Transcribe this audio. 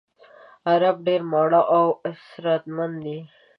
عرب ډېر ماړه او اسراتمن دي.